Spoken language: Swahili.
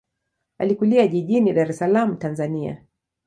Alikulia jijini Dar es Salaam, Tanzania.